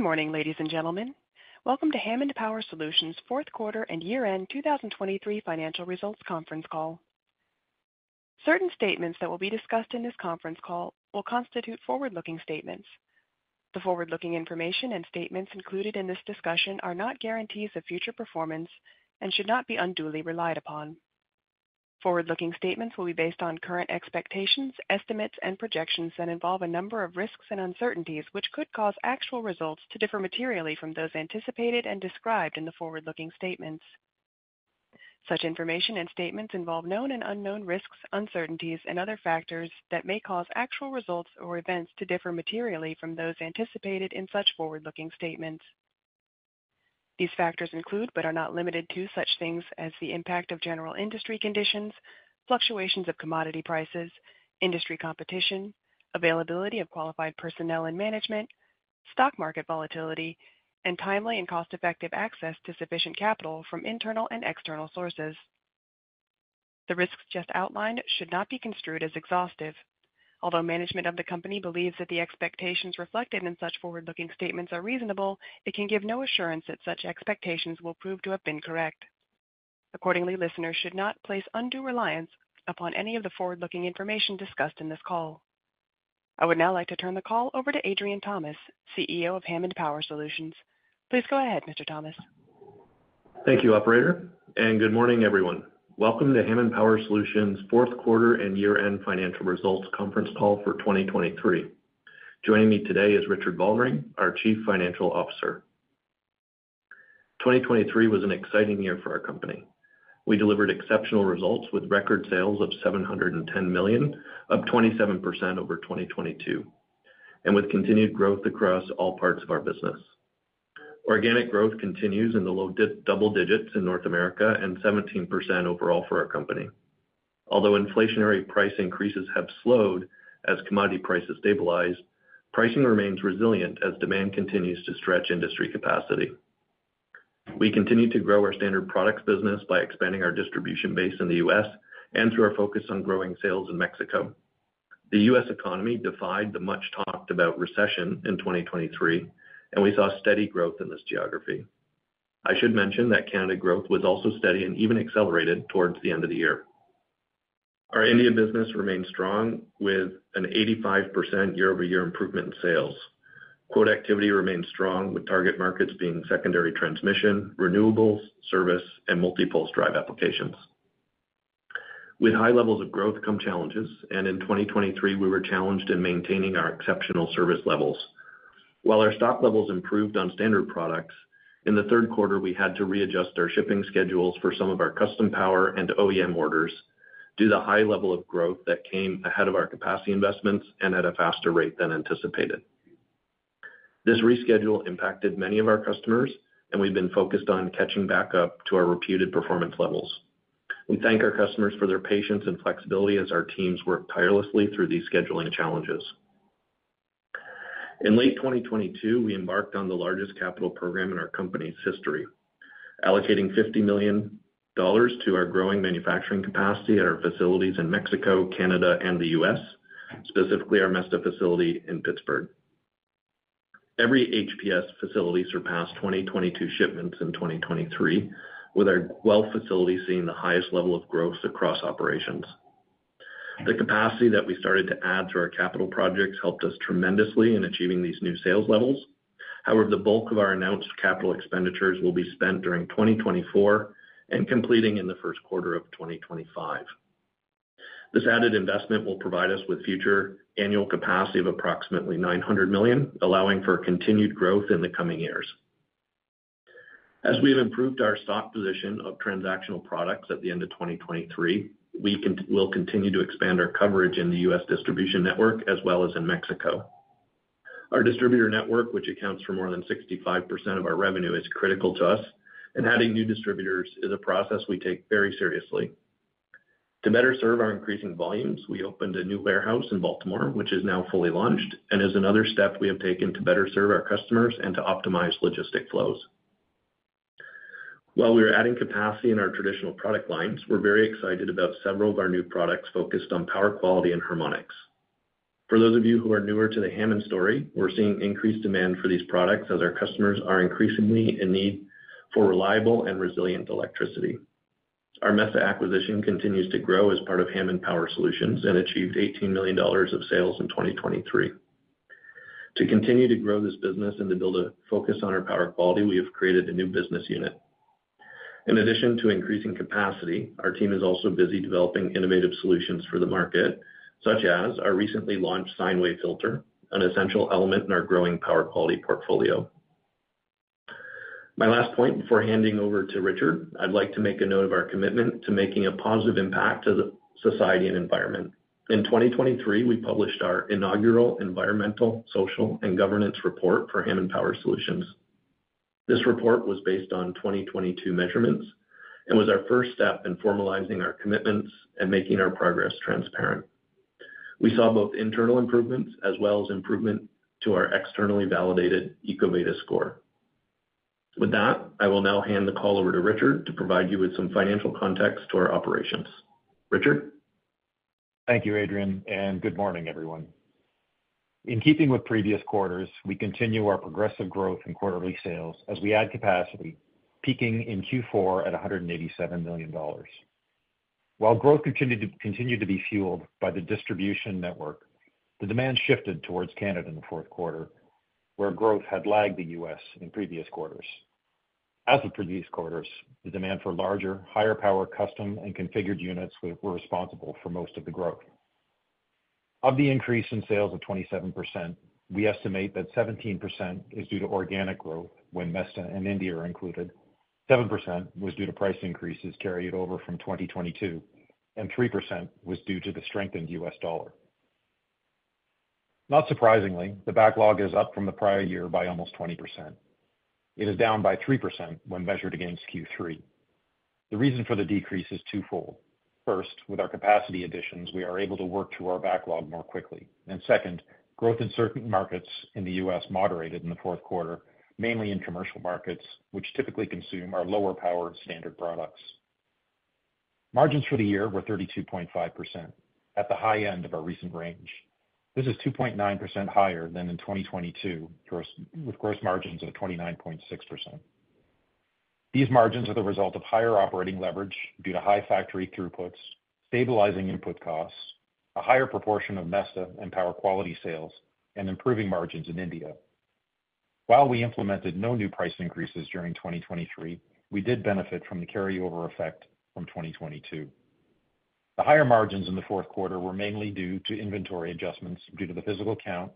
Good morning, ladies and gentlemen. Welcome to Hammond Power Solutions' fourth quarter and year-end 2023 financial results conference call. Certain statements that will be discussed in this conference call will constitute forward-looking statements. The forward-looking information and statements included in this discussion are not guarantees of future performance and should not be unduly relied upon. Forward-looking statements will be based on current expectations, estimates, and projections that involve a number of risks and uncertainties which could cause actual results to differ materially from those anticipated and described in the forward-looking statements. Such information and statements involve known and unknown risks, uncertainties, and other factors that may cause actual results or events to differ materially from those anticipated in such forward-looking statements. These factors include but are not limited to such things as the impact of general industry conditions, fluctuations of commodity prices, industry competition, availability of qualified personnel and management, stock market volatility, and timely and cost-effective access to sufficient capital from internal and external sources. The risks just outlined should not be construed as exhaustive. Although management of the company believes that the expectations reflected in such forward-looking statements are reasonable, it can give no assurance that such expectations will prove to have been correct. Accordingly, listeners should not place undue reliance upon any of the forward-looking information discussed in this call. I would now like to turn the call over to Adrian Thomas, CEO of Hammond Power Solutions. Please go ahead, Mr. Thomas. Thank you, operator, and good morning, everyone. Welcome to Hammond Power Solutions' fourth quarter and year-end financial results conference call for 2023. Joining me today is Richard Vollering, our Chief Financial Officer. 2023 was an exciting year for our company. We delivered exceptional results with record sales of 710 million, up 27% over 2022, and with continued growth across all parts of our business. Organic growth continues in the low double digits in North America and 17% overall for our company. Although inflationary price increases have slowed as commodity prices stabilized, pricing remains resilient as demand continues to stretch industry capacity. We continue to grow our standard products business by expanding our distribution base in the U.S. and through our focus on growing sales in Mexico. The U.S. economy defied the much-talked-about recession in 2023, and we saw steady growth in this geography. I should mention that Canada growth was also steady and even accelerated towards the end of the year. Our India business remains strong with an 85% year-over-year improvement in sales. Quote activity remains strong, with target markets being secondary transmission, renewables, service, and multi-pulse drive applications. With high levels of growth come challenges, and in 2023, we were challenged in maintaining our exceptional service levels. While our stock levels improved on standard products, in the third quarter, we had to readjust our shipping schedules for some of our custom power and OEM orders due to the high level of growth that came ahead of our capacity investments and at a faster rate than anticipated. This reschedule impacted many of our customers, and we've been focused on catching back up to our reputed performance levels. We thank our customers for their patience and flexibility as our teams work tirelessly through these scheduling challenges. In late 2022, we embarked on the largest capital program in our company's history, allocating $50 million to our growing manufacturing capacity at our facilities in Mexico, Canada, and the U.S., specifically our Mesta facility in Pittsburgh. Every HPS facility surpassed 2022 shipments in 2023, with our Guelph facility seeing the highest level of growth across operations. The capacity that we started to add through our capital projects helped us tremendously in achieving these new sales levels. However, the bulk of our announced capital expenditures will be spent during 2024 and completing in the first quarter of 2025. This added investment will provide us with future annual capacity of approximately $900 million, allowing for continued growth in the coming years. As we have improved our stock position of transactional products at the end of 2023, we will continue to expand our coverage in the U.S. distribution network as well as in Mexico. Our distributor network, which accounts for more than 65% of our revenue, is critical to us, and adding new distributors is a process we take very seriously. To better serve our increasing volumes, we opened a new warehouse in Baltimore, which is now fully launched, and is another step we have taken to better serve our customers and to optimize logistic flows. While we were adding capacity in our traditional product lines, we're very excited about several of our new products focused on power quality and harmonics. For those of you who are newer to the Hammond story, we're seeing increased demand for these products as our customers are increasingly in need for reliable and resilient electricity. Our Mesta acquisition continues to grow as part of Hammond Power Solutions and achieved 18 million dollars of sales in 2023. To continue to grow this business and to build a focus on our power quality, we have created a new business unit. In addition to increasing capacity, our team is also busy developing innovative solutions for the market, such as our recently launched sine wave filter, an essential element in our growing power quality portfolio. My last point before handing over to Richard, I'd like to make a note of our commitment to making a positive impact to society and environment. In 2023, we published our inaugural Environmental, Social, and Governance Report for Hammond Power Solutions. This report was based on 2022 measurements and was our first step in formalizing our commitments and making our progress transparent. We saw both internal improvements as well as improvement to our externally validated EcoVadis score. With that, I will now hand the call over to Richard to provide you with some financial context to our operations. Richard? Thank you, Adrian, and good morning, everyone. In keeping with previous quarters, we continue our progressive growth in quarterly sales as we add capacity, peaking in Q4 at 187 million dollars. While growth continued to be fueled by the distribution network, the demand shifted towards Canada in the fourth quarter, where growth had lagged the U.S. in previous quarters. As of previous quarters, the demand for larger, higher power custom and configured units were responsible for most of the growth. Of the increase in sales of 27%, we estimate that 17% is due to organic growth when Mesta and India are included, 7% was due to price increases carried over from 2022, and 3% was due to the strengthened U.S. dollar. Not surprisingly, the backlog is up from the prior year by almost 20%. It is down by 3% when measured against Q3. The reason for the decrease is twofold. First, with our capacity additions, we are able to work through our backlog more quickly. And second, growth in certain markets in the U.S. moderated in the fourth quarter, mainly in commercial markets, which typically consume our lower power standard products. Margins for the year were 32.5%, at the high end of our recent range. This is 2.9% higher than in 2022, with gross margins of 29.6%. These margins are the result of higher operating leverage due to high factory throughputs, stabilizing input costs, a higher proportion of Mesta and power quality sales, and improving margins in India. While we implemented no new price increases during 2023, we did benefit from the carryover effect from 2022. The higher margins in the fourth quarter were mainly due to inventory adjustments due to the physical count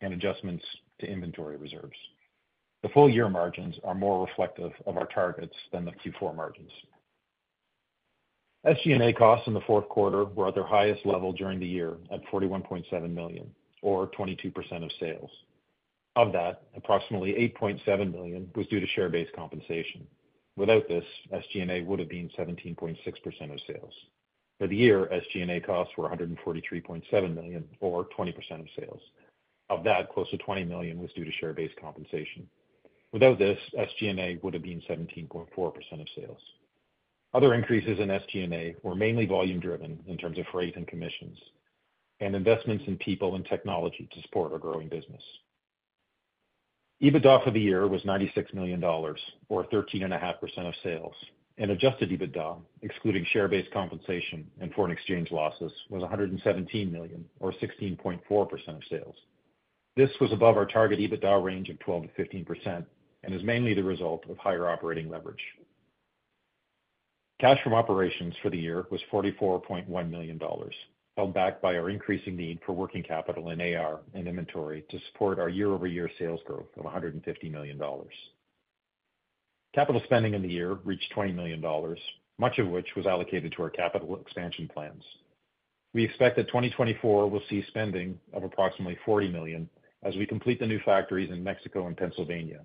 and adjustments to inventory reserves. The full year margins are more reflective of our targets than the Q4 margins. SG&A costs in the fourth quarter were at their highest level during the year at 41.7 million, or 22% of sales. Of that, approximately 8.7 million was due to share-based compensation. Without this, SG&A would have been 17.6% of sales. For the year, SG&A costs were 143.7 million, or 20% of sales. Of that, close to 20 million was due to share-based compensation. Without this, SG&A would have been 17.4% of sales. Other increases in SG&A were mainly volume-driven in terms of freight and commissions, and investments in people and technology to support our growing business. EBITDA for the year was 96 million dollars, or 13.5% of sales. An adjusted EBITDA, excluding share-based compensation and foreign exchange losses, was 117 million, or 16.4% of sales. This was above our target EBITDA range of 12%-15% and is mainly the result of higher operating leverage. Cash from operations for the year was 44.1 million dollars, held back by our increasing need for working capital in AR and inventory to support our year-over-year sales growth of 150 million dollars. Capital spending in the year reached 20 million dollars, much of which was allocated to our capital expansion plans. We expect that 2024 will see spending of approximately $40 million as we complete the new factories in Mexico and Pennsylvania,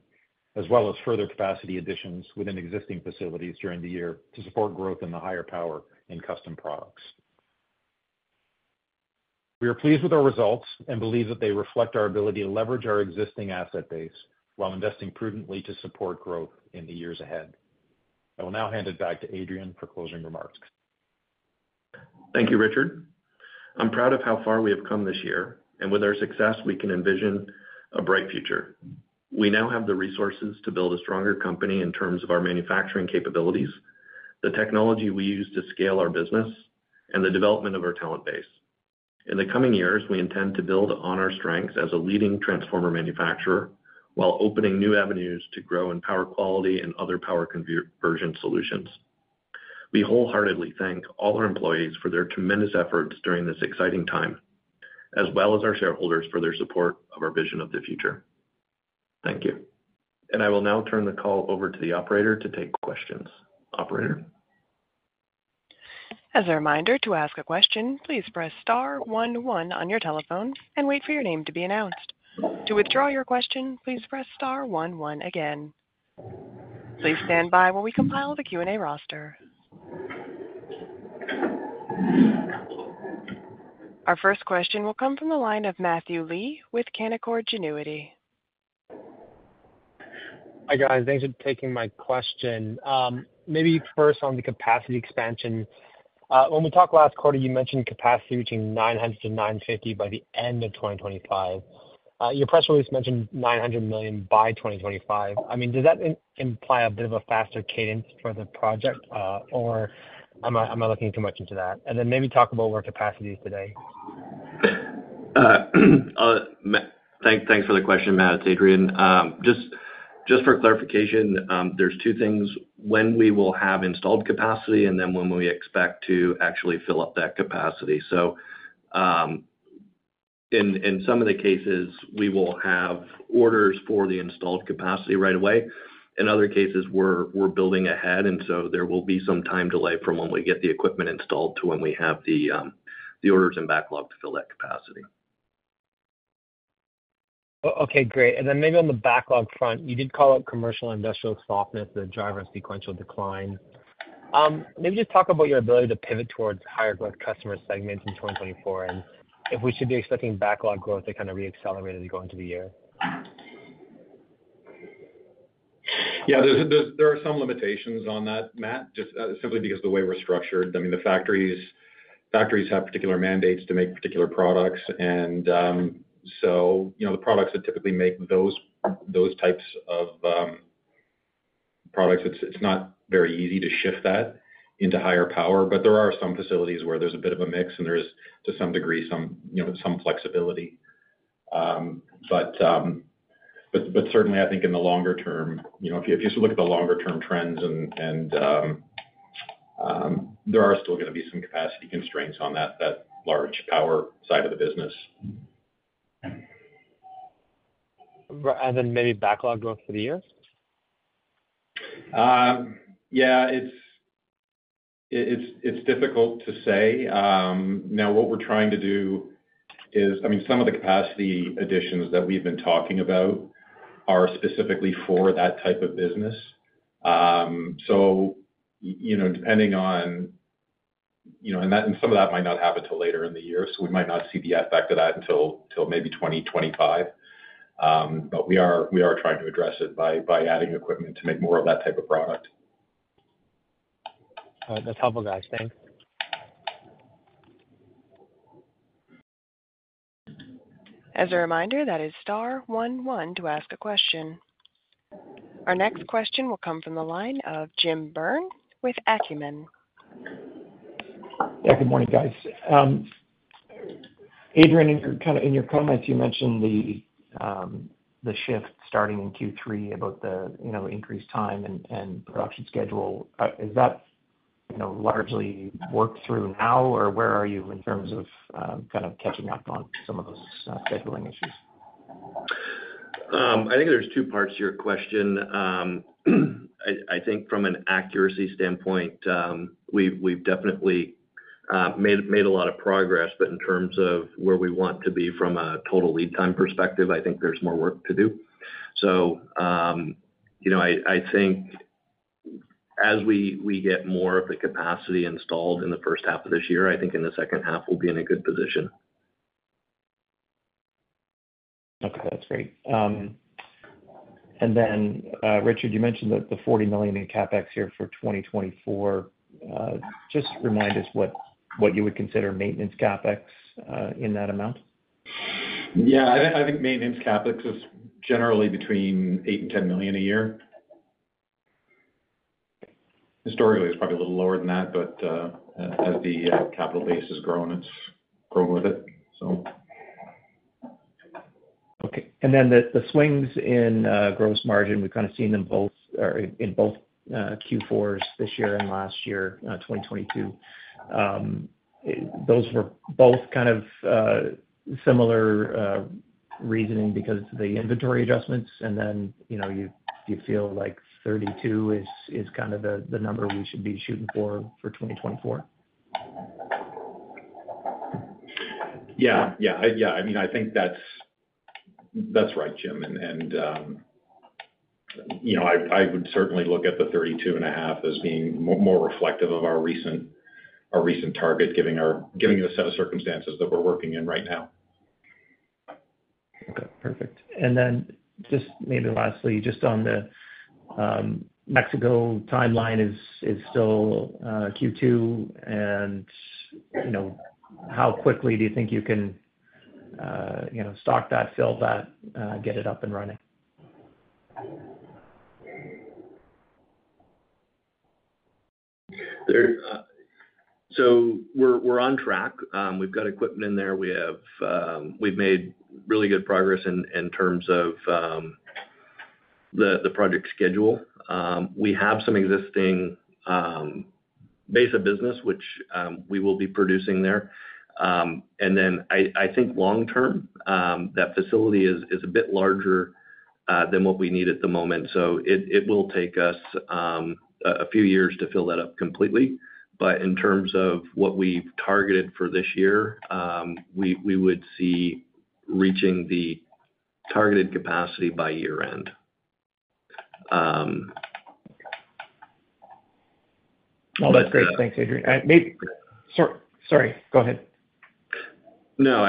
as well as further capacity additions within existing facilities during the year to support growth in the higher power and custom products. We are pleased with our results and believe that they reflect our ability to leverage our existing asset base while investing prudently to support growth in the years ahead. I will now hand it back to Adrian for closing remarks. Thank you, Richard. I'm proud of how far we have come this year, and with our success, we can envision a bright future. We now have the resources to build a stronger company in terms of our manufacturing capabilities, the technology we use to scale our business, and the development of our talent base. In the coming years, we intend to build on our strengths as a leading transformer manufacturer while opening new avenues to grow in power quality and other power conversion solutions. We wholeheartedly thank all our employees for their tremendous efforts during this exciting time, as well as our shareholders for their support of our vision of the future. Thank you. I will now turn the call over to the operator to take questions. Operator? As a reminder, to ask a question, please press star 11 on your telephone and wait for your name to be announced. To withdraw your question, please press star 11 again. Please stand by while we compile the Q&A roster. Our first question will come from the line of Matthew Lee with Canaccord Genuity. Hi, guys. Thanks for taking my question. Maybe first on the capacity expansion. When we talked last quarter, you mentioned capacity reaching 900 million-950 million by the end of 2025. Your press release mentioned 900 million by 2025. I mean, does that imply a bit of a faster cadence for the project, or am I looking too much into that? And then maybe talk about where capacity is today. Thanks for the question, Matt, it's Adrian. Just for clarification, there's two things: when we will have installed capacity and then when we expect to actually fill up that capacity. So in some of the cases, we will have orders for the installed capacity right away. In other cases, we're building ahead, and so there will be some time delay from when we get the equipment installed to when we have the orders in backlog to fill that capacity. Okay, great. And then maybe on the backlog front, you did call it commercial industrial softness, the driver of sequential decline. Maybe just talk about your ability to pivot towards higher growth customer segments in 2024 and if we should be expecting backlog growth to kind of reaccelerate as we go into the year. Yeah, there are some limitations on that, Matt, simply because of the way we're structured. I mean, the factories have particular mandates to make particular products, and so the products that typically make those types of products, it's not very easy to shift that into higher power. But there are some facilities where there's a bit of a mix, and there is, to some degree, some flexibility. But certainly, I think in the longer term if you look at the longer-term trends, there are still going to be some capacity constraints on that large power side of the business. And then maybe backlog growth for the year? Yeah, it's difficult to say. Now, what we're trying to do is I mean, some of the capacity additions that we've been talking about are specifically for that type of business. So depending on and some of that might not happen till later in the year, so we might not see the effect of that until maybe 2025. But we are trying to address it by adding equipment to make more of that type of product. All right. That's helpful, guys. Thanks. As a reminder, that is star 11 to ask a question. Our next question will come from the line of Jim Byrne with Acumen. Yeah, good morning, guys. Adrian, in your comments, you mentioned the shift starting in Q3 about the increased time and production schedule. Is that largely worked through now, or where are you in terms of kind of catching up on some of those scheduling issues? I think there's two parts to your question. I think from an accuracy standpoint, we've definitely made a lot of progress, but in terms of where we want to be from a total lead time perspective, I think there's more work to do. So I think as we get more of the capacity installed in the first half of this year, I think in the second half, we'll be in a good position. Okay, that's great. And then, Richard, you mentioned that the 40 million in CapEx here for 2024. Just remind us what you would consider maintenance CapEx in that amount. Yeah, I think maintenance CapEx is generally between 8 million and 10 million a year. Historically, it's probably a little lower than that, but as the capital base has grown, it's grown with it, so. Okay. And then the swings in gross margin, we've kind of seen them both in both Q4s this year and last year, 2022. Those were both kind of similar reasoning because of the inventory adjustments, and then do you feel like 32 is kind of the number we should be shooting for for 2024? Yeah, yeah, yeah. I mean, I think that's right, Jim. And I would certainly look at the 32.5 as being more reflective of our recent target, given the set of circumstances that we're working in right now. Okay, perfect. And then just maybe lastly, just on the Mexico timeline is still Q2, and how quickly do you think you can stock that, fill that, get it up and running? So we're on track. We've got equipment in there. We've made really good progress in terms of the project schedule. We have some existing base of business, which we will be producing there. And then I think long-term, that facility is a bit larger than what we need at the moment, so it will take us a few years to fill that up completely. But in terms of what we've targeted for this year, we would see reaching the targeted capacity by year-end. Oh, that's great. Thanks, Adrian. Sorry, go ahead. No,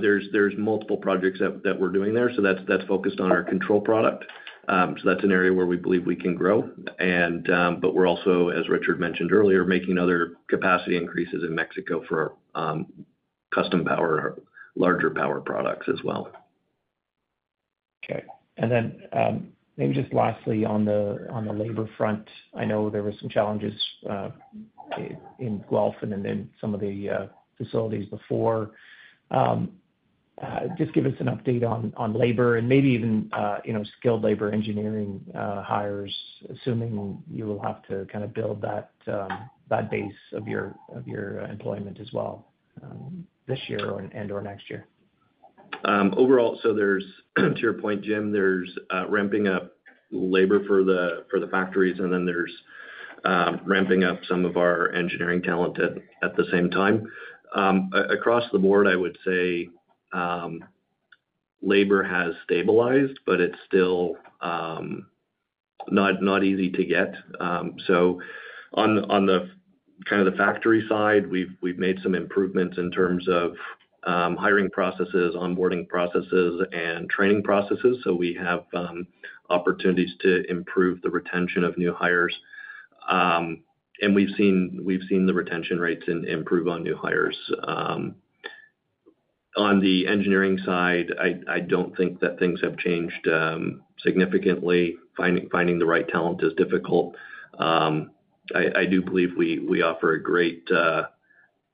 there's multiple projects that we're doing there, so that's focused on our control product. So that's an area where we believe we can grow. But we're also, as Richard mentioned earlier, making other capacity increases in Mexico for custom power and larger power products as well. Okay. And then maybe just lastly, on the labor front, I know there were some challenges in Guelph and then some of the facilities before. Just give us an update on labor and maybe even skilled labor engineering hires, assuming you will have to kind of build that base of your employment as well this year and/or next year. Overall, so to your point, Jim, there's ramping up labor for the factories, and then there's ramping up some of our engineering talent at the same time. Across the board, I would say labor has stabilized, but it's still not easy to get. So on kind of the factory side, we've made some improvements in terms of hiring processes, onboarding processes, and training processes. So we have opportunities to improve the retention of new hires. And we've seen the retention rates improve on new hires. On the engineering side, I don't think that things have changed significantly. Finding the right talent is difficult. I do believe we offer a great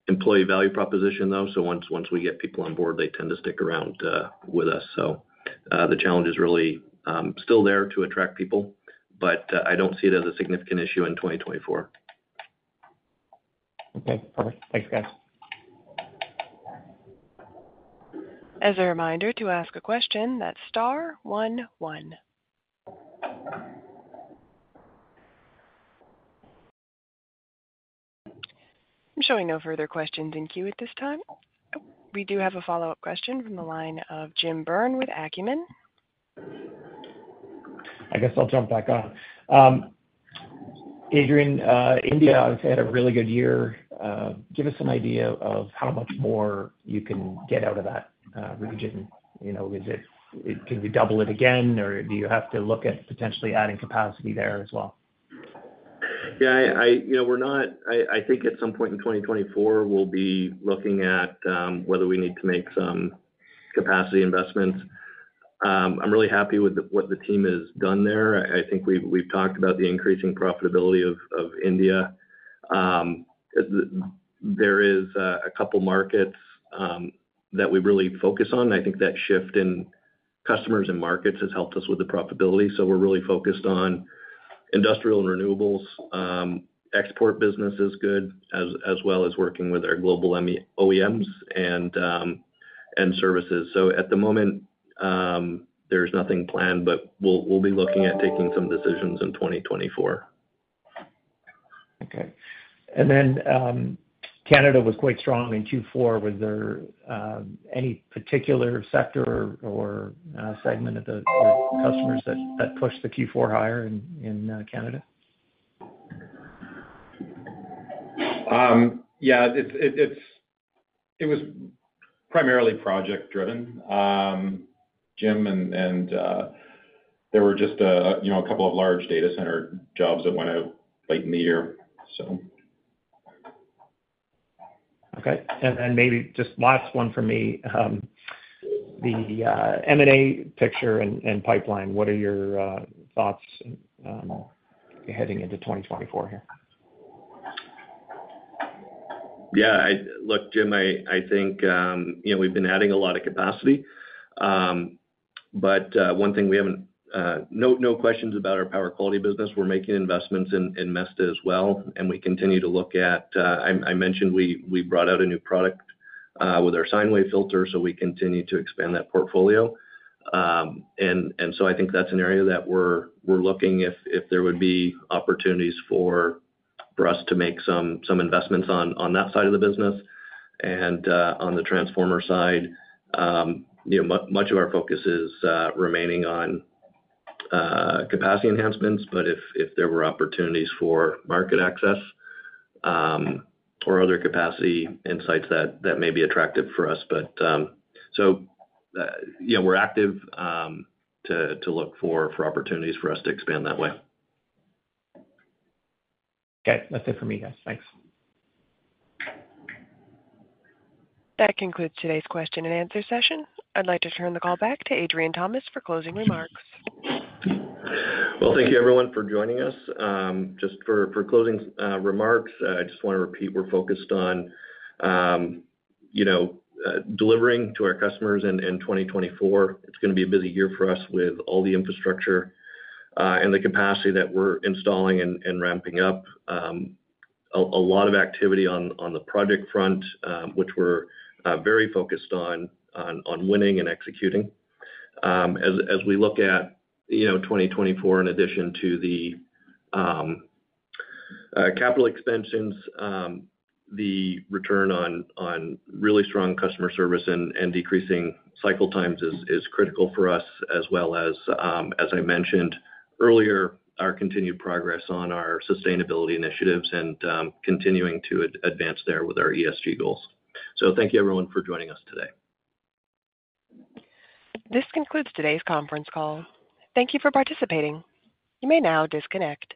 employee value proposition, though. So once we get people on board, they tend to stick around with us. So the challenge is really still there to attract people, but I don't see it as a significant issue in 2024. Okay, perfect. Thanks, guys. As a reminder, to ask a question, that's star 11. I'm showing no further questions in queue at this time. We do have a follow-up question from the line of Jim Byrne with Acumen. I guess I'll jump back on. Adrian, India, obviously, had a really good year. Give us an idea of how much more you can get out of that region. Can you double it again, or do you have to look at potentially adding capacity there as well? Yeah, I think at some point in 2024, we'll be looking at whether we need to make some capacity investments. I'm really happy with what the team has done there. I think we've talked about the increasing profitability of India. There is a couple of markets that we really focus on. I think that shift in customers and markets has helped us with the profitability. So we're really focused on industrial and renewables. Export business is good, as well as working with our global OEMs and services. So at the moment, there's nothing planned, but we'll be looking at taking some decisions in 2024. Okay. And then Canada was quite strong in Q4. Was there any particular sector or segment of your customers that pushed the Q4 higher in Canada? Yeah, it was primarily project-driven, Jim, and there were just a couple of large data center jobs that went out late in the year, so. Okay. And then maybe just last one from me, the M&A picture and pipeline. What are your thoughts heading into 2024 here? Yeah, look, Jim, I think we've been adding a lot of capacity. But one thing we have no questions about our power quality business. We're making investments in Mesta as well, and we continue to look at, I mentioned we brought out a new product with our sine wave filter, so we continue to expand that portfolio. And so I think that's an area that we're looking if there would be opportunities for us to make some investments on that side of the business. And on the transformer side, much of our focus is remaining on capacity enhancements, but if there were opportunities for market access or other capacity insights that may be attractive for us. So we're active to look for opportunities for us to expand that way. Okay. That's it from me, guys. Thanks. That concludes today's question and answer session. I'd like to turn the call back to Adrian Thomas for closing remarks. Well, thank you, everyone, for joining us. Just for closing remarks, I just want to repeat, we're focused on delivering to our customers in 2024. It's going to be a busy year for us with all the infrastructure and the capacity that we're installing and ramping up. A lot of activity on the project front, which we're very focused on winning and executing. As we look at 2024, in addition to the capital expansions, the return on really strong customer service and decreasing cycle times is critical for us, as well as, as I mentioned earlier, our continued progress on our sustainability initiatives and continuing to advance there with our ESG goals. So thank you, everyone, for joining us today. This concludes today's conference call. Thank you for participating. You may now disconnect.